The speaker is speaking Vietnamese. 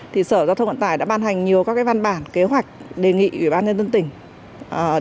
thì sở giao thông vận tải đã ban hành nhiều các cái văn bản kế hoạch đề nghị ủy ban nhân dân tỉnh